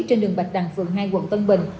trên đường bạch đằng phường hai quận tân bình